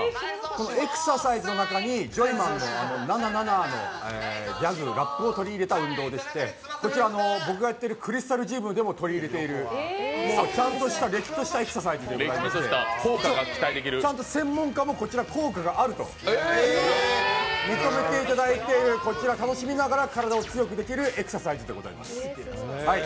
エクササイズの中にジョイマンのナナナナーのギャグ、ラップを取り入れた運動でして僕がやってるクリスタルジムでも取り入れているれっきとしたエクササイズでございましてちゃんと専門家も、こちら効果があると認めていただいているこちら、楽しみながら体を強くできるエクササイズでございます。